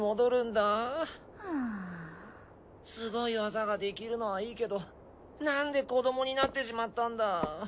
すごい技ができるのはいいけどなんで子どもになってしまったんだ。